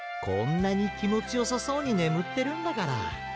こんなにきもちよさそうにねむってるんだから。